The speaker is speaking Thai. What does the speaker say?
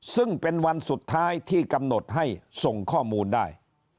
ซึ่งเป็นวันสุดท้ายที่กำหนดให้ส่งข้อมูลได้